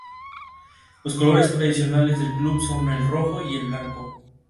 Los colores tradicionales del club son el rojo y el blanco.